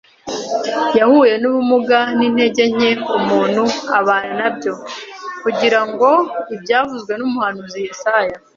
Yahuye n’ubumuga n’intege nke umuntu abana na byo. “Kugira ngo ibyavuzwe n’Umuhanuzi Yesaya